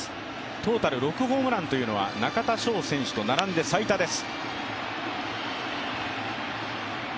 トータル６ホームランというのは中田翔選手と並んで最多です。